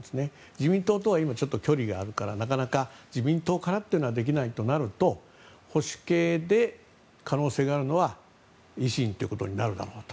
自民党とは今距離があるからなかなか自民党からはできないとなると保守系で可能性があるのは維新ということになるだろうと。